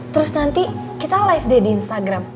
terus nanti kita live deh di instagram